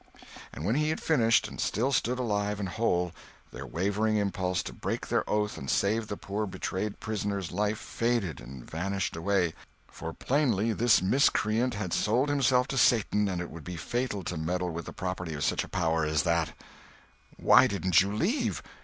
And when he had finished and still stood alive and whole, their wavering impulse to break their oath and save the poor betrayed prisoner's life faded and vanished away, for plainly this miscreant had sold himself to Satan and it would be fatal to meddle with the property of such a power as that. "Why didn't you leave?